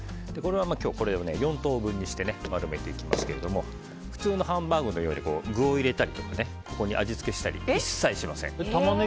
今日はこれを４等分にして丸めていきますけど普通のハンバーグのように具を入れたり、味付けをしたり一切しません。